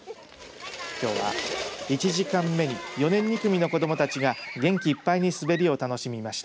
きょうは１時間目に４年２組の子どもたちが元気いっぱいに滑りを楽しみました。